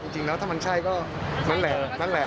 จริงแล้วถ้ามันใช่ก็นั่นแหละนั่นแหละ